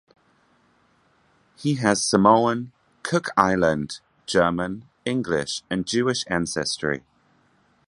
He has Samoan, Cook Island, German, English and Jewish ancestry.